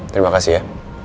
terima kasih ya